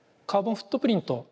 カーボンフットプリント？